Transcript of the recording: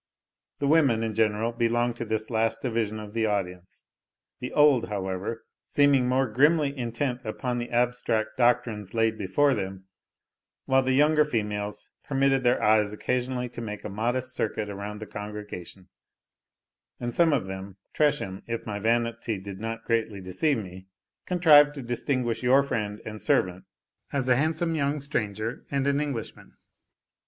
The women in general belonged to this last division of the audience; the old, however, seeming more grimly intent upon the abstract doctrines laid before them; while the younger females permitted their eyes occasionally to make a modest circuit around the congregation; and some of them, Tresham (if my vanity did not greatly deceive me), contrived to distinguish your friend and servant, as a handsome young stranger and an Englishman.